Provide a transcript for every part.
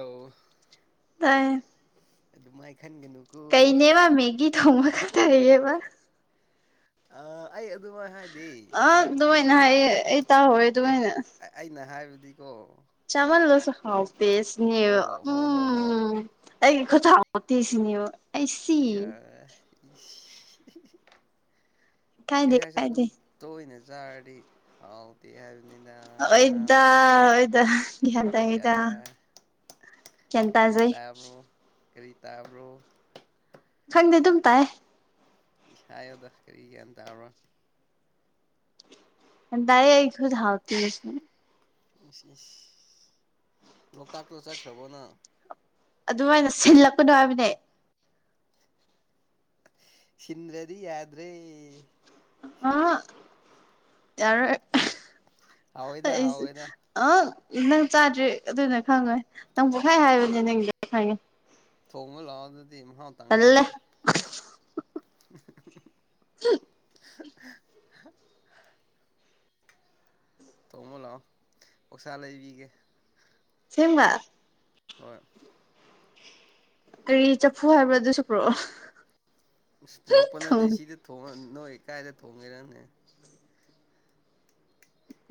ꯑꯧ ꯇꯥꯏ ꯑꯗꯨꯃꯥꯏ ꯈꯟꯒꯅꯨ ꯀꯩꯅꯦꯕ ꯃꯦꯒꯤ ꯊꯣꯡꯕ ꯈꯛꯇ ꯍꯩꯌꯦꯕ ꯑ ꯑꯩ ꯑꯗꯨꯃꯥꯏꯅ ꯍꯥꯏꯗꯦ ꯑ ꯍꯥꯏꯕꯗꯤ ꯑꯗꯨꯃꯥꯏꯅ ꯍꯥꯏꯌꯦ ꯑꯩ ꯇꯥꯍꯧꯋꯦ ꯑꯦ ꯑꯗꯨꯃꯥꯏꯅ ꯑꯩꯅ ꯍꯥꯏꯕꯗꯤꯀꯣ ꯆꯥꯃꯜ ꯂꯁꯨ ꯍꯥꯎꯇꯦ ꯍꯣ ꯁꯤꯅꯦꯕ ꯍꯣ ꯍꯣ ꯍꯣꯏ ꯎꯝ ꯑꯩ [unintelligible] [unintelligible] ꯏꯀꯥꯏꯗꯦ [unintelligible] ꯑꯗꯨꯝ ꯏꯀꯥꯏꯗꯦ ꯇꯣꯏꯅ ꯆꯥꯔꯗꯤ ꯍꯥꯎ ꯇ ꯍꯥꯏꯕꯗ ꯑꯣꯏꯗ ꯑꯣꯏꯗ ꯒ꯭ꯌꯥꯟ ꯏꯌꯥ ꯇꯥꯏꯗ ꯒ꯭ꯌꯥꯟ ꯀꯔꯤ ꯇꯥꯖꯩ ꯇꯥꯕ꯭ꯔꯣ ꯀꯔꯤ ꯇꯥꯕ꯭ꯔꯣ ꯈꯪꯗꯦ ꯑꯗꯨꯝ ꯇꯥꯏꯑꯦ ꯏꯁ ꯍꯥꯏꯌꯣꯗ ꯀꯔꯤ ꯒꯌꯥꯟ ꯇꯧꯕ꯭ꯔꯣ [unintelligible] ꯏꯁ ꯏꯁ ꯂꯣꯛꯇꯥꯛꯇꯣ ꯆꯠꯈꯔꯕꯣ ꯅꯪ ꯑꯗꯨꯃꯥꯏꯅ ꯁꯤꯜꯂꯛꯄꯅꯣ ꯍꯥꯏꯕꯅꯦ ꯁꯤꯟꯔꯗꯤ ꯌꯥꯗ꯭ꯔꯦ ꯑ ꯌꯥꯔꯣꯢ ꯍꯥꯎꯋꯦꯗ ꯍꯥꯎꯋꯦꯗ ꯑꯪ ꯅꯪ ꯆꯥꯗ꯭ꯔꯤ ꯑꯗꯨꯅ ꯈꯪꯉꯣꯏ ꯅꯪ ꯑꯣ ꯄꯣꯛꯈꯥꯏ ꯍꯥꯏꯕꯅꯤ ꯅꯪꯗ ꯈꯪꯉꯦ ꯊꯣꯡꯉꯣ ꯂꯥꯛꯑꯣ ꯑꯗꯨꯗꯤ ꯃꯍꯥꯎ ꯇꯜꯂꯦ ꯇꯥꯡꯅꯕ [unintelligible] ꯇꯣꯡꯃꯣ ꯂꯥꯛꯑꯣ ꯑꯣꯛꯁꯥ ꯂꯩꯕꯤꯒꯦ ꯁꯦꯡꯕ ꯍꯣꯏ ꯀꯔꯤ ꯆꯠꯐꯨ ꯍꯥꯏꯕ ꯑꯗꯨꯁꯨ ꯄꯣꯔꯛꯑꯣ ꯑꯁ ꯄꯨꯔꯛꯄ ꯅꯠꯇꯦ ꯁꯤꯗ ꯅꯣꯏ ꯀꯥꯏꯗ ꯊꯣꯡꯒꯦꯔꯅꯦ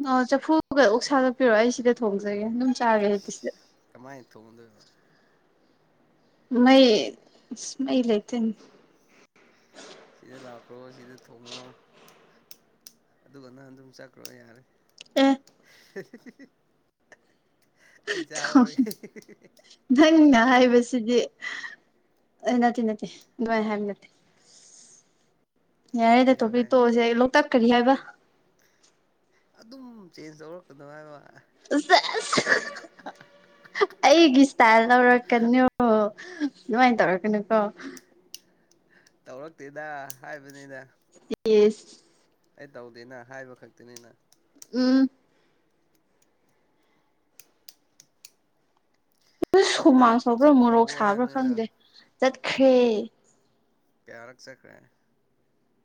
ꯑꯣ ꯆꯐꯨꯒ ꯑꯣꯛꯁꯥꯒ ꯄꯤꯔꯣꯑꯣ ꯑꯩ ꯁꯤꯗ ꯊꯣꯡꯖꯒꯦ ꯑꯗꯨꯝ ꯆꯥꯒꯦ ꯍꯥꯏꯗꯤ ꯁꯤꯗ ꯏꯁ ꯀꯃꯥꯏꯅ ꯊꯣꯡꯒꯗꯣꯏꯕ ꯃꯩ ꯏꯁ ꯃꯩ ꯂꯩꯇꯦꯅꯦ ꯁꯤꯗ ꯂꯥꯎꯈ꯭ꯔꯣ ꯁꯤꯗ ꯊꯣꯡꯉꯣ ꯑꯗꯨꯒ ꯅꯪ ꯑꯗꯨꯝ ꯆꯠꯈ꯭ꯔꯣ ꯌꯥꯔꯦ ꯑ ꯑꯩ ꯆꯍꯧꯔꯒꯦ ꯅꯪꯅ ꯍꯥꯏꯕꯁꯤꯗꯤ ꯅꯠꯇꯦ ꯅꯠꯇꯦ ꯑꯗꯨꯃꯥꯏ ꯍꯥꯏꯕ ꯅꯠꯇꯦ [inaudible] ꯌꯥꯔꯦꯗ ꯍꯥꯏꯌꯣ ꯇꯣꯛꯄꯤꯛ ꯍꯥꯏꯌꯣ ꯇꯣꯁꯦ ꯂꯣꯛꯇꯥꯛ ꯀꯔꯤ ꯍꯥꯏꯕ ꯑꯗꯨꯝ ꯆꯦꯟꯖ ꯇꯧꯔꯛꯀꯅꯣ ꯍꯥꯏꯕ ꯁꯦꯁ ꯑꯩꯒꯤ ꯏꯁꯇꯥꯏꯜ ꯂꯧꯔꯛꯀꯅꯣ ꯑꯗꯨꯃꯥꯏꯅ ꯇꯧꯔꯛꯀꯅꯨꯀꯣ ꯇꯧꯔꯛꯇꯦꯗ ꯍꯥꯏꯕꯅꯤꯗ ꯌꯦꯁ ꯑꯩ ꯇꯧꯗꯦꯅ ꯍꯥꯏꯕ ꯈꯛꯇꯅꯤꯅ ꯎꯝ ꯎꯁ ꯁꯨꯃꯥꯡ ꯂꯣꯛꯇꯥꯛ ꯁꯧꯄ꯭ꯔꯥ ꯃꯣꯔꯣꯛ ꯆꯠꯈ꯭ꯔꯕꯣ ꯁꯥꯕ꯭ꯔꯥ ꯍꯥꯏꯕꯅꯤꯅ ꯈꯪꯗꯦ ꯆꯠꯈ꯭ꯔꯦ ꯀꯌꯥꯔꯛꯆꯠꯈ꯭ꯔꯦ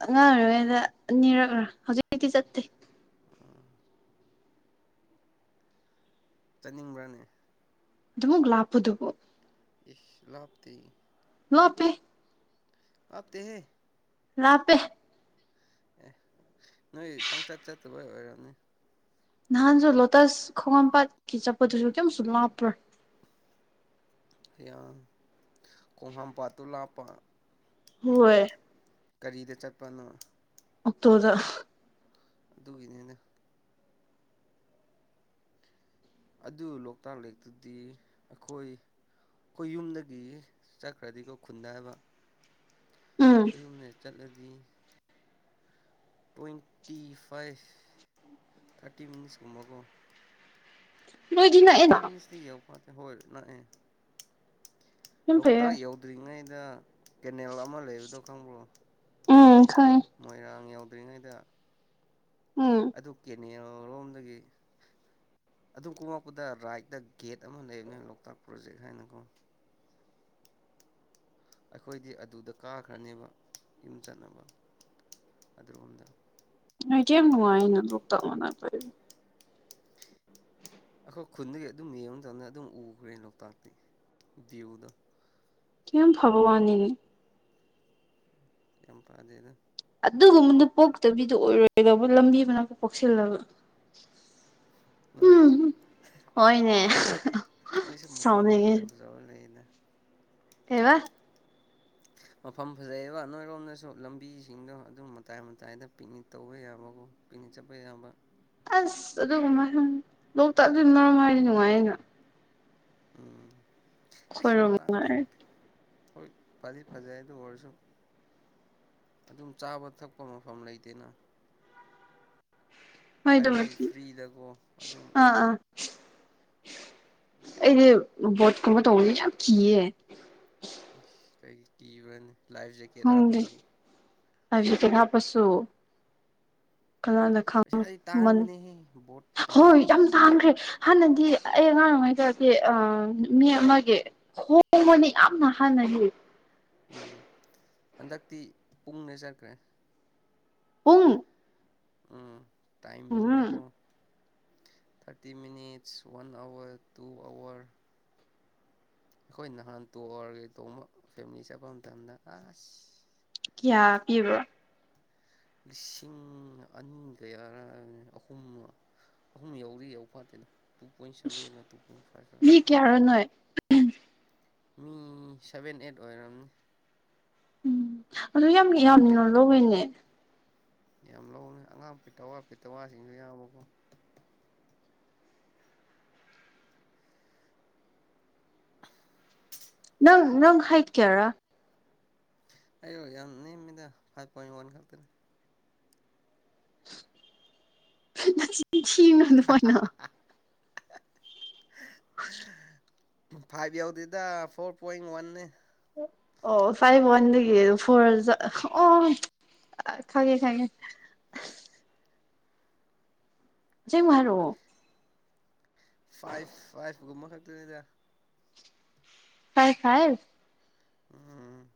ꯑꯉꯥꯡ ꯑꯣꯏꯔꯤꯉꯩꯗ ꯑꯅꯤꯔꯛꯂꯥ ꯍꯧꯖꯤꯛꯇꯤ ꯆꯠꯇꯦ ꯑꯝ ꯆꯠꯅꯤꯡꯕ꯭ꯔꯅꯦ ꯑꯗꯨꯃꯛ ꯂꯥꯞꯄꯗꯨꯕꯨ ꯏꯁ ꯂꯥꯞꯇꯦ ꯂꯥꯞꯄꯦ ꯂꯥꯞꯇꯦꯍꯦ ꯂꯞꯄꯦ ꯑꯦ ꯅꯣꯏ ꯄꯪꯆꯠ ꯆꯠꯇꯕꯩ ꯑꯣꯏꯔꯝꯅꯤ ꯅꯍꯥꯟꯁꯨ ꯂꯣꯇꯁ ꯈꯣꯡꯉꯝꯄꯥꯥꯠꯀꯤ ꯆꯠꯄꯗꯨꯁꯨ ꯀꯔꯤꯝꯁꯨ ꯂꯥꯞꯄ꯭ꯔꯥ ꯑꯌꯥ ꯈꯣꯡꯍꯥꯝꯄꯥꯥꯠꯇꯨ ꯂꯥꯞꯄ ꯍꯣꯏ ꯀꯔꯤꯗ ꯆꯠꯄꯅꯣ ꯑꯣꯛꯇꯣꯗ ꯑꯗꯨꯒꯤꯅꯤꯅ ꯑꯗꯨ ꯂꯣꯛꯇꯥꯛ ꯂꯦꯛꯇꯨꯗꯤ ꯑꯩꯈꯣꯏ ꯑꯩꯈꯣꯏ ꯌꯨꯝꯗꯒꯤ ꯆꯠꯈ꯭ꯔꯗꯤꯀꯣ ꯈꯨꯟꯗ ꯍꯥꯏꯕ ꯎꯝ ꯈꯣꯏꯍꯨꯝꯅ ꯆꯠꯂꯗꯤ ꯇ꯭ꯋꯦꯟꯇꯤ ꯐꯥꯏꯚ ꯊꯥꯔꯇꯤ ꯃꯤꯅꯤꯁ ꯀꯨꯝꯕꯀꯣ ꯅꯣꯏꯗꯤ ꯅꯛꯑꯦꯅ ꯊꯥꯔꯇꯤ ꯃꯤꯅꯤꯠꯁꯇꯤ ꯌꯧꯐꯣꯠꯗꯦ ꯍꯣꯏ ꯅꯛꯑꯦ ꯌꯥꯝ ꯐꯩꯌꯦ ꯂꯣꯛꯇꯥꯛ ꯌꯧꯗ꯭ꯔꯤꯉꯩꯗ ꯀꯦꯅꯦꯜ ꯑꯃ ꯂꯩꯕꯗꯣ ꯈꯪꯕ꯭ꯔꯣ ꯎꯝ ꯈꯪꯉꯦꯡ ꯃꯣꯏꯔꯥꯡ ꯌꯧꯗ꯭ꯔꯤꯉꯩꯗ ꯎꯝ ꯑꯗꯨ ꯀꯦꯅꯦꯜ ꯔꯣꯝꯗꯒꯤ ꯑꯗꯨꯝ ꯀꯣꯃꯛꯛꯄꯗ ꯔꯥꯏꯠꯇ ꯒꯦꯠ ꯑꯃ ꯂꯩꯕꯅꯦ ꯂꯣꯛꯇꯥꯛ ꯄ꯭ꯔꯣꯖꯦꯛ ꯍꯥꯏꯅꯀꯣ ꯑꯩꯈꯣꯏꯗꯤ ꯑꯗꯨꯗ ꯀꯥꯈ꯭ꯔꯅꯦꯕ ꯌꯨꯝ ꯆꯠꯅꯕ ꯑꯗꯨꯔꯣꯝꯗ ꯅꯣꯏꯗꯤ ꯌꯥꯝ ꯅꯨꯡꯉꯥꯏꯅ ꯂꯣꯛꯇꯞ ꯃꯅꯛꯇ ꯑꯩꯈꯣꯏ ꯈꯨꯟꯗꯒꯤ ꯑꯗꯨꯝ ꯌꯦꯡꯕ ꯃꯇꯝꯗ ꯑꯗꯨꯝ ꯎꯈ꯭ꯔꯦ ꯂꯣꯛꯇꯥꯛꯇꯤ ꯗ꯭ꯌꯨꯗꯣ ꯌꯥꯝ ꯐꯕ ꯋꯥꯅꯤꯅꯦ ꯌꯥꯝ ꯄꯥꯗꯦꯗ ꯑꯗꯨꯒꯨꯝꯕꯗ ꯄꯣꯛꯇꯕꯤꯗ ꯑꯣꯏꯔꯣꯏꯗꯧꯕ ꯂꯝꯕꯤ ꯃꯅꯥꯛꯇ ꯄꯣꯛꯁꯜꯂꯒ ꯅꯣꯏꯔꯣ ꯎꯝꯍꯨꯝ ꯍꯣꯏꯅꯦ ꯁꯥꯎꯅꯤꯡꯉꯦ ꯇꯧꯔ ꯂꯩꯅ ꯀꯩꯕꯥ [inaudible] ꯃꯐꯝ ꯐꯖꯩꯕ ꯅꯣꯏꯔꯣꯝꯗꯁꯨ ꯂꯝꯕꯤꯁꯤꯡꯗꯣ ꯑꯗꯨꯝ ꯃꯇꯥꯏ ꯃꯇꯥꯏꯗ ꯄꯤꯛꯅꯤꯛ ꯇꯧꯕ ꯌꯥꯕꯒꯨꯝ ꯄꯤꯛꯅꯤꯛ ꯆꯠꯄ ꯌꯥꯕ ꯑꯁ ꯑꯗꯨꯒ ꯃ ꯂꯣꯛꯇꯥꯛ ꯑꯗꯨꯅ ꯃꯔꯝ ꯍꯥꯏꯗꯤ ꯅꯨꯡꯉꯥꯏꯌꯦꯅ ꯎꯝ ꯑꯁ ꯑꯩꯈꯣꯏꯔꯣꯝ ꯂꯣꯛꯇꯥꯛꯇꯤ ꯍꯣꯏ ꯐꯗꯤ ꯐꯖꯩ ꯑꯗꯨ ꯑꯣꯏꯔꯁꯨ ꯑꯗꯨꯝ ꯆꯥꯕ ꯊꯛꯄ ꯃꯐꯝ ꯂꯩꯇꯦꯅ ꯍꯥꯏ ꯍꯥꯏꯕꯗꯤ ꯑꯗꯨꯃꯗꯤ ꯐ꯭ꯔꯤꯗꯀꯣ ꯑꯗꯨꯝ ꯑꯥ ꯑꯥ ꯑꯩꯗꯤ ꯕꯣꯠꯀꯨꯝꯕ ꯇꯧꯕꯁꯦ ꯌꯥꯝ ꯀꯤꯌꯦ ꯑꯁ ꯀꯩꯒꯤ ꯀꯤꯕ꯭ꯔꯅꯦ ꯂꯥꯏꯐ ꯖꯦꯛ ꯈꯪꯗꯦ ꯂꯥꯏꯐ ꯖꯤꯀꯦꯠ ꯍꯥꯞꯄꯁꯨ ꯀꯅꯥꯅ ꯄꯩꯁꯥꯗꯥ ꯈꯪꯃꯟ ꯇꯥꯡꯕꯅꯦꯍꯦ ꯕꯣꯠꯀꯤꯗꯣ ꯍꯣꯏ ꯌꯥꯝ ꯇꯥꯡꯈ꯭ꯔꯦ ꯍꯥꯟꯅꯗꯤ ꯑꯩ ꯑꯉꯥꯡ ꯑꯣꯏꯔꯤꯉꯩꯒꯗꯤ ꯑꯥ ꯃꯤ ꯑꯃꯒꯤ ꯍꯣꯡꯃꯅꯤ ꯌꯥꯝꯅ ꯍꯥꯟꯅꯗꯤ ꯎꯝ ꯍꯟꯗꯛꯇꯤ ꯄꯨꯡꯅ ꯆꯠꯈ꯭ꯔꯦ ꯄꯨꯡ ꯎꯝ ꯎꯝ ꯇꯥꯏꯃꯤꯡꯗꯀꯣ thirty minutes one hour two hour ꯑꯩꯈꯣꯏ ꯅꯍꯥꯟ ꯇꯨꯔꯑꯋꯥꯔꯒꯥ ꯇꯣꯡꯕ ꯐꯦꯃꯤꯂꯤ ꯆꯠꯄ ꯃꯇꯝꯗ ꯑꯁ ꯀꯌꯥ ꯄꯤꯕ꯭ꯔꯣ ꯂꯤꯁꯤꯡ ꯑꯅꯤꯒ ꯀꯌꯥꯔ ꯑꯍꯨꯝ ꯑꯍꯨꯝ ꯌꯧꯗꯤ ꯌꯥꯎ ꯐꯥꯇꯦꯗ ꯇꯨ ꯄꯣꯏꯟ ꯁꯚꯦꯒꯂꯥ ꯇꯨ ꯄꯣꯏꯟ ꯐꯥꯏꯚꯔꯥ ꯀꯌꯥꯔ ꯅꯣꯏ ꯃꯤ ꯁꯚꯦꯟ ꯑꯩꯠ ꯑꯣꯏꯔꯝꯅꯤ ꯎꯝ ꯑꯗꯨ ꯌꯥꯝ ꯑꯉꯥꯡ ꯌꯥꯝꯅ ꯄꯦꯠ ꯂꯧꯋꯦꯅꯦ ꯌꯥꯝ ꯂꯧꯕꯅꯦ ꯑꯉꯥꯡ ꯄꯤꯛꯇꯋꯥ ꯄꯤꯊꯋꯥꯁꯤꯡꯁꯨ ꯌꯥꯏꯕꯀꯣ ꯅꯪ ꯅꯪ ꯍꯩꯠ ꯀꯌꯥꯔ ꯑꯌꯣ ꯌꯥꯝ ꯅꯦꯝꯃꯤꯗ ꯐꯥꯏꯚ ꯄꯣꯏꯟ ꯋꯥꯟ ꯈꯥꯛꯛꯇꯅꯦ ꯅꯆꯤꯡ ꯊꯥꯅꯨ ꯑꯗꯨꯃꯥꯏꯅ ꯐꯥꯏꯚ ꯌꯧꯗꯦꯗ ꯐꯣꯔ ꯄꯣꯏꯟ ꯋꯥꯟꯅꯅꯦ ꯑꯣ ꯐꯥꯏꯚ ꯋꯥꯟꯗꯒꯤ ꯐꯣꯔ ꯆꯠ ꯑꯣ ꯑ ꯈꯪꯉꯦ ꯈꯪꯉꯦ ꯁꯦꯡꯕ ꯍꯥꯏꯔꯛꯑꯣ ꯐꯥꯏꯚ ꯐꯥꯏꯚ ꯀꯨꯝꯕ ꯈꯛꯇꯅꯤꯗ ꯈꯥꯏ ꯈꯥꯏ ꯎꯝ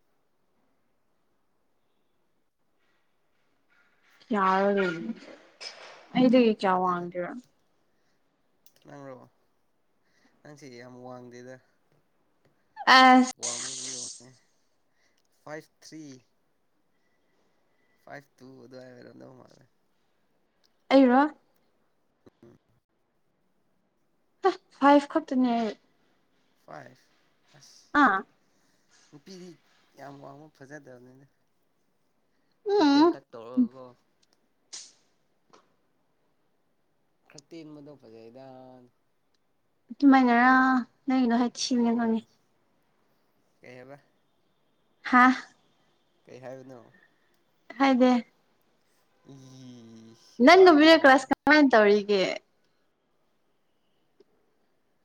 ꯌꯥꯔꯔꯣꯏ ꯑꯩꯗꯤ ꯀꯌꯥ ꯌꯥꯗꯦꯗ ꯋꯥꯡꯒꯦꯔ ꯅꯪꯔꯣ ꯅꯪꯁꯤ ꯌꯥꯝ ꯋꯥꯡꯗꯦꯗ ꯑꯁ ꯋꯥꯡꯕꯨꯗꯤ ꯋꯥꯡꯉꯦ ꯐꯥꯏꯚ ꯊ꯭ꯔꯤ ꯐꯥꯏꯚ ꯇꯨ ꯑꯗ꯭ꯋꯥꯏ ꯅꯪ ꯃꯥꯜꯂꯦ ꯑꯩꯔꯣ ꯐꯥꯏꯐ ꯈꯛꯇꯅꯦ ꯑꯩ ꯐꯥꯏ ꯑꯁ ꯑꯥ ꯅꯨꯄꯤꯗꯤ ꯌꯥꯝ ꯋꯥꯡꯕ ꯐꯖꯗꯕꯅꯤꯅ ꯈꯔ ꯎꯝ ꯇꯦꯟꯇꯛ ꯇꯧꯔꯒꯀꯣ ꯈꯔ ꯇꯦꯟꯕꯗ ꯐꯖꯩꯗꯥ ꯗꯨꯃꯥꯏꯅꯔꯥ ꯅꯪꯒꯤ ꯅꯁꯛ ꯍꯣꯏ ꯀꯩꯕ ꯍꯥꯥ ꯀꯩ ꯍꯥꯏꯕꯅꯣ ꯍꯥꯏꯗꯦ ꯏ ꯅꯪ ꯋꯥ ꯅꯨꯕꯤꯔꯣ ꯉꯥꯡꯒ ꯀ꯭ꯂꯁ ꯀꯃꯥꯏ ꯇꯧꯔꯤꯒꯦ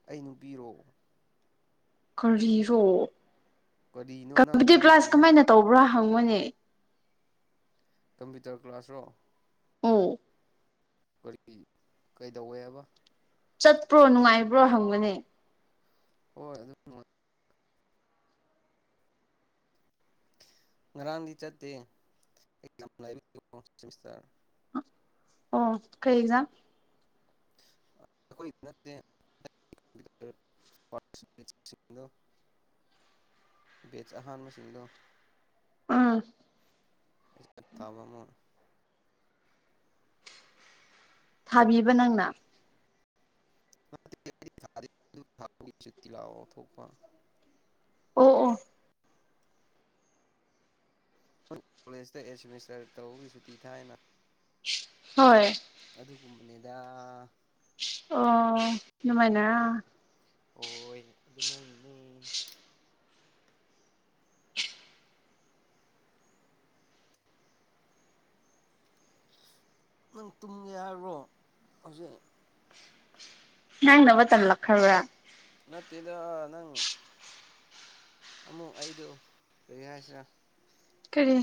ꯑꯩ ꯅꯨꯄꯤꯔꯣ ꯀꯔꯤꯔꯣ ꯀꯔꯤꯅꯣ ꯅꯪ ꯍꯧꯖꯤꯛ ꯀꯝꯄ꯭ꯌꯨꯇꯔ ꯍꯥꯏ ꯀ꯭ꯂꯥꯁ ꯀꯔꯤ ꯍꯥꯏ ꯀꯃꯥꯏꯅ ꯇꯧꯕ꯭ꯔꯥ ꯍꯪꯉꯅꯦ ꯀꯝꯄ꯭ꯌꯨꯇꯔ ꯀ꯭ꯂꯥꯁꯔꯣ ꯑꯧ ꯀꯔꯤ ꯀꯩꯗꯧꯋꯦ ꯍꯥꯏꯕ ꯆꯠꯄ꯭ꯔꯣ ꯅꯨꯡꯉꯥꯏꯕ꯭ꯔꯣ ꯍꯪꯒꯅꯦ ꯍꯣꯏ ꯑꯗꯨꯝ ꯉꯔꯥꯡꯗꯤ ꯆꯠꯇꯦꯔ [unintelligible] ꯑꯣ ꯀꯩ ꯑꯦꯛꯖꯥꯝ ꯈꯣꯏꯗ ꯅꯠꯇꯦ [unintelligible] ꯕꯦꯠꯆ ꯑꯍꯥꯟꯕꯁꯤꯡꯗꯣ ꯎꯝ ꯊꯥꯕ ꯑꯃ ꯊꯥꯕꯤꯕ ꯅꯪꯅ [unintelligible] ꯂꯥꯎꯑꯣ ꯊꯣꯛꯄ ꯑꯣ ꯑꯣ ꯀꯣꯂꯦꯖꯇ ꯑꯦꯠ ꯁꯦꯃꯤꯁꯇꯔ ꯇꯧꯕꯒꯤ ꯁꯨꯇꯤ ꯊꯥꯏꯅ ꯍꯣꯏ ꯑꯗꯨꯒꯨꯝꯕꯅꯤꯗ ꯑꯣ ꯗꯨꯃꯥꯏꯅꯔꯥ ꯍꯣꯏ ꯑꯗꯨꯃꯥꯏꯅꯅꯦ ꯅꯪ ꯇꯨꯝꯒꯦ ꯍꯥꯏꯔꯣ ꯍꯧꯖꯤꯛ ꯅꯪꯅ ꯑꯃ ꯇꯝꯂꯛꯈ꯭ꯔꯕ ꯅꯠꯇꯦꯗ ꯅꯪ ꯑꯃꯨꯛ ꯑꯩꯗꯣ ꯀꯔꯤ ꯍꯥꯏꯁꯤꯔ ꯀꯔꯤ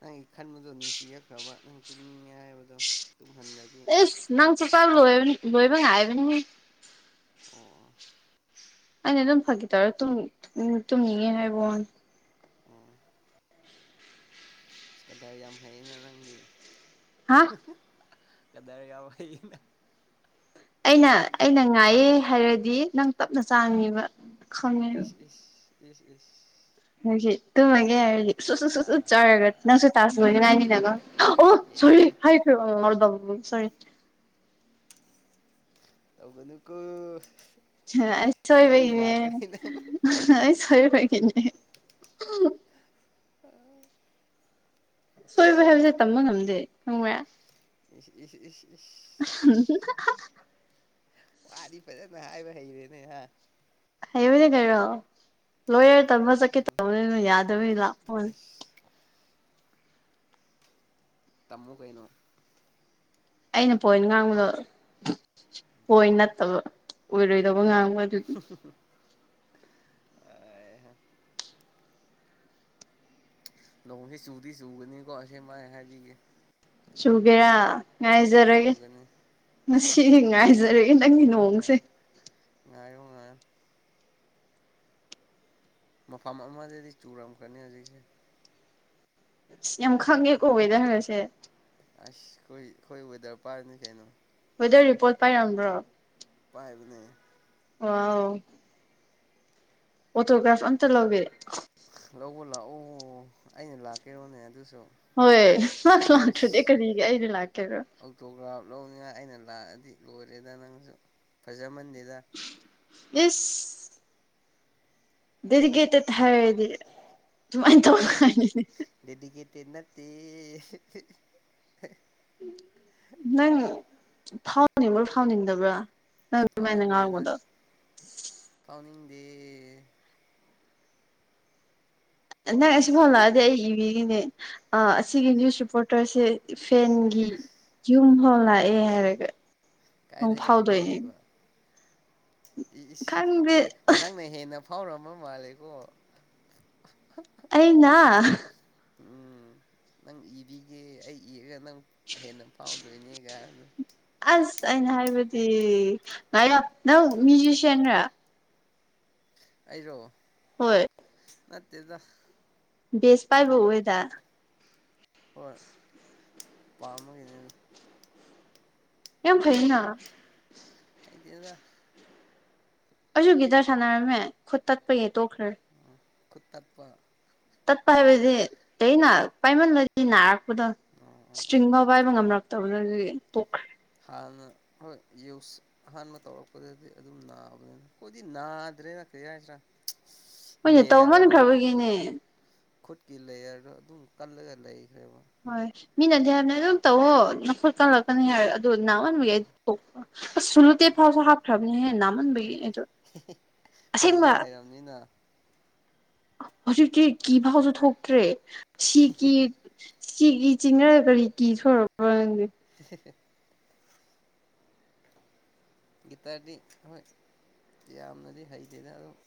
ꯅꯪꯒꯤ ꯈꯟꯕꯗꯣ ꯅꯨꯡꯁꯤꯔꯛꯈ꯭ꯔꯕ ꯅꯪ ꯇꯨꯝꯅꯤꯡꯉꯦ ꯍꯥꯏꯕꯗꯣ ꯇꯨꯝꯍꯟꯗꯕ ꯑꯦꯁ ꯅꯪ ꯆꯛꯆꯥ ꯂꯣꯏꯔꯅꯤ ꯂꯣꯏꯕ ꯉꯥꯏꯕꯅꯤ ꯑꯣ ꯑꯩꯅ ꯑꯗꯨꯝ ꯐꯥꯒꯤ ꯇꯧꯔ ꯇꯨꯝ ꯇꯨꯝꯅꯤꯡꯉꯦ ꯍꯥꯏꯕ ꯋꯥꯅꯦ ꯎꯝ ꯏꯁꯀꯗꯔ ꯌꯥꯝ ꯐꯩꯌꯦꯅ ꯅꯪꯗꯤ ꯍꯥ ꯏꯁꯀꯗꯔ ꯌꯥꯝ ꯐꯩꯅ ꯑꯩꯅ ꯑꯩꯅ ꯉꯥꯏꯌꯦ ꯍꯥꯏꯔꯗꯤ ꯅꯪ ꯇꯞꯅ ꯆꯥꯉꯕ ꯏ ꯏ ꯏ ꯏ ꯍꯧꯒꯤ ꯇꯨꯝꯃꯒꯦ ꯍꯥꯏꯔꯗꯤ ꯁꯨꯁꯨꯨ ꯑ ꯁꯨꯁꯨ ꯆꯥꯔꯒ ꯅꯪꯁꯨ ꯇꯥꯁꯨꯕꯅꯤ ꯉꯥꯏꯅꯤꯅꯀꯣ ꯑꯣ ꯁꯣꯔꯤ ꯑꯦ ꯍꯥꯏ ꯐꯔꯗ ꯁꯣꯔꯤ ꯇꯧꯒꯗꯨ ꯀ ꯁꯣꯏꯕꯅꯦꯦ ꯑꯁꯣꯏꯕꯅꯦ ꯁꯣꯏꯕ ꯍꯥꯏꯕꯁꯦ ꯇꯝꯕ ꯉꯝꯗꯦ ꯈꯪꯕ꯭ꯔꯦ ꯏ ꯏ ꯏ ꯏ ꯎꯝ ꯋꯥꯗꯤ ꯐꯖꯅ ꯍꯥꯏꯕ ꯍꯩꯔꯦꯅꯦꯍ ꯍꯩꯕꯅꯦ ꯀꯔꯣ ꯂꯣꯌꯔ ꯇꯝꯕ ꯆꯠꯀꯦ ꯇꯧꯕꯅꯤꯅ ꯌꯥꯗꯕꯅꯤꯗꯥꯛ ꯑ ꯇꯃ ꯀꯩꯅꯣ ꯑꯩꯅ ꯄꯣꯏꯟ ꯉꯥꯡꯕꯗꯣ ꯄꯣꯏꯟ ꯅꯠꯇꯕ ꯑꯣꯏꯔꯣꯏꯗꯧꯕ ꯉꯥꯡꯕ ꯑꯗꯨ ꯑꯦ ꯅꯣꯡꯁꯤ ꯆꯨꯗꯤ ꯆꯨꯒꯅꯤꯀꯣ ꯑꯁꯃꯥꯏ ꯍꯥꯏꯕꯤꯒꯦ ꯁꯨꯒꯦꯔꯥ ꯉꯥꯏꯖꯔꯒꯦ ꯆꯨꯒꯅꯤ ꯉ ꯉꯥꯏꯖꯔꯒꯦ ꯅꯪꯒꯤ ꯅꯣꯡꯁꯦ ꯉꯥꯏ ꯉꯥꯏꯌꯣ ꯉꯥꯏꯣ ꯃꯐꯝ ꯑꯃꯗꯗꯤ ꯆꯨꯔꯝꯀꯅꯤ ꯍꯧꯖꯤꯛꯁꯦ ꯑ ꯌꯥꯝ ꯈꯪꯉꯦ ꯀꯣꯕꯦꯗ ꯍꯪꯉꯁꯦ ꯑꯁ ꯑꯩꯣꯏ ꯑꯩꯈꯣꯏ ꯋꯦꯗꯔ ꯄꯥꯔꯅꯤ ꯀꯩꯅꯣ ꯋꯦꯗꯔ ꯔꯤꯄꯣꯔꯠ ꯄꯥꯏꯔꯝꯕ꯭ꯔꯣ ꯄꯥꯏꯕꯅꯦ ꯋꯥ ꯑꯣꯣꯇꯣꯒ꯭ꯔꯥꯐ ꯑꯟ ꯍꯒꯦ ꯂꯎ ꯂꯥꯛꯎ ꯑꯩꯅ ꯂꯥꯛꯀꯦꯔꯣꯅꯦ ꯑꯗꯨꯁꯨ ꯍꯣꯏ ꯂꯁ ꯂꯥꯛꯇ꯭ꯔꯗꯤ ꯀꯔꯤꯒꯤ ꯑꯩꯗꯤ ꯂꯥꯛꯀꯦꯔꯣ ꯑꯣꯛꯇꯣꯒ꯭ꯔꯥꯐ ꯂꯧꯅꯤꯡꯉꯥꯏ ꯑꯩꯅ ꯂꯥꯛꯑꯗꯤ ꯂꯣꯏꯔꯦꯗ ꯅꯪꯁꯨ ꯐꯖꯃꯟꯗꯦꯗ ꯏꯁ ꯗꯤꯔꯒꯦꯇ ꯊ ꯍꯥꯏꯗꯤ ꯗꯦꯗꯤꯀꯦꯇꯦꯠ ꯅꯠꯇ ꯅꯪ ꯐꯥꯎꯅꯤꯡꯕ ꯐꯥꯎꯅꯤꯡꯗꯕ꯭ꯔꯥ ꯑ ꯑꯁ ꯑꯗꯨꯥꯏꯅꯤꯡꯥꯎꯗꯣ ꯐꯥꯎꯅꯤꯡ ꯗꯦ ꯅꯪ ꯑꯁꯤꯁꯤ ꯍꯣꯂꯛꯑꯗꯤ ꯑꯩ ꯏꯕꯤꯒꯤꯅꯦ ꯑꯁꯤꯒꯤ ꯏꯁ ꯅ꯭ꯌꯨꯁ ꯔꯤꯄꯣꯔꯇꯔꯁꯦ ꯐꯦꯟꯒꯤ ꯏꯁ ꯌꯨꯝꯐꯥꯎ ꯂꯥꯛꯑꯦ ꯍꯥꯏꯔꯒ ꯀꯥꯏꯗ ꯅꯣꯡ ꯐꯥꯎꯗꯣꯏꯅꯦ ꯏꯕꯤꯗꯣꯏꯕ ꯏ ꯏꯁ ꯈꯪꯗꯦ ꯑꯗꯨ ꯅꯪꯅ ꯍꯦꯟꯅ ꯊꯥꯎꯔ ꯑꯃꯨ ꯃꯥꯂꯒ ꯑꯅ ꯎꯝ ꯅꯪ ꯏꯕꯤꯒꯦ ꯑꯩ ꯏꯔꯒ ꯅꯪ ꯍꯦꯟꯅ ꯐꯥꯎꯗꯣꯏꯅꯦꯒ ꯍꯥꯏꯕꯗ ꯑꯁ ꯑꯩꯅ ꯍꯥꯏꯕꯗꯤ ꯉꯥꯏꯣ ꯅꯪ ꯃ꯭ꯌꯨꯖꯤꯁꯤꯌꯥꯟꯔ ꯑꯩꯔꯣ ꯍꯣꯏ ꯃꯦꯗ ꯕꯁ ꯄꯥꯏꯕ ꯑꯣꯏꯗ ꯍꯣꯏ ꯄꯥꯝꯃꯒꯤꯅꯤꯗ ꯌꯥꯝ ꯐꯩꯅ ꯀꯩꯗ ꯑꯩꯁꯨ ꯒꯤꯗꯔ ꯁꯥꯟꯅꯔꯝꯃꯦ ꯈꯨꯠ ꯇꯠꯄ ꯌꯦ ꯇꯣꯛꯈ꯭ꯔꯦ ꯀꯨꯇꯠꯄ ꯇꯠꯄ ꯍꯥꯏꯕꯗꯤ ꯑꯩꯅ ꯄꯥꯏꯃꯜꯂꯗꯤ ꯅꯥꯔꯛꯄꯗꯣ ꯑꯣ ꯑꯣ ꯑꯣ ꯏꯁꯇ꯭ꯔꯤꯡ ꯐꯥꯎ ꯄꯥꯏꯕ ꯉꯝꯔꯛꯇꯕꯗꯒꯤꯣꯛꯈ꯭ꯔꯦ ꯍꯥꯟꯅ ꯍ ꯌ ꯑꯍꯥꯟꯕ ꯇꯧꯔꯛꯄꯗꯗꯤ ꯑꯗꯨꯝ ꯅꯥꯕꯅꯤꯅ ꯑꯩꯈꯗꯤ ꯅꯥꯗ꯭ꯔꯦꯅ ꯀꯩ ꯍꯥꯏꯁꯤꯔꯥ ꯃꯣꯏꯅ ꯂꯦꯌꯥꯔꯣ ꯇꯧꯃꯟꯈ꯭ꯔꯕꯒꯤꯅꯦ ꯈꯨꯠꯀꯤ ꯂꯦꯌꯔꯗꯣ ꯑꯗꯨꯝ ꯀꯜꯂꯒ ꯂꯩꯈ꯭ꯔꯦꯕ ꯍꯣꯏ ꯃꯤꯅꯗꯤ ꯍꯥꯏꯕꯅꯦ ꯑꯗꯨꯝ ꯇꯧꯑꯣꯣ ꯅꯐꯨꯠ ꯀꯂꯛꯀꯅꯤ ꯍꯥꯏꯔ ꯑꯗꯨ ꯅꯍꯟꯕꯒꯤ ꯊꯣꯛ ꯑ ꯁꯂꯨꯇ ꯐꯥꯎꯁꯨ ꯍꯥꯞ ꯐ꯭ꯔꯕꯅꯦ ꯍꯦ ꯅꯥꯟꯕꯣ ꯈꯣꯡꯕꯨꯗꯤ ꯍꯩꯔꯕꯝꯅꯤꯅ ꯍꯧꯖꯤꯛꯇꯤ ꯀꯤꯐꯥꯎꯁꯨ ꯊꯣꯛꯇ꯭ꯔꯦ ꯁꯤꯒꯤ ꯁꯤꯒꯤ ꯆꯤꯡꯅꯔꯒ ꯀꯔꯤ ꯀꯤ ꯁꯣꯏꯛꯔꯕꯦ ꯁꯦ ꯒꯤꯇꯥꯔꯗꯤ ꯍꯣꯏ ꯌꯥꯝꯅꯗꯤ ꯍꯩꯇꯦꯗ ꯑꯗꯨꯝ